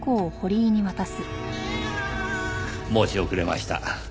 申し遅れました。